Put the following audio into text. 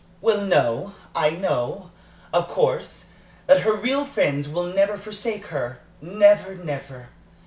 "Well, no. I know, of course, that her real friends will never forsake her never, never!